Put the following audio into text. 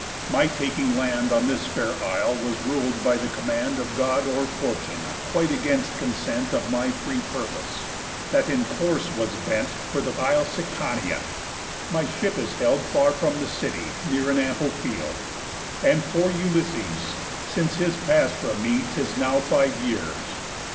My taking land On this fair Isle was rul'd by the command Of God or fortune, quite against consent Of my free purpose, that in course was bent For th' isle Sicania. My ship is held Far from the city, near an ample field. And for Ulysses, since his pass from me 'Tis now five years.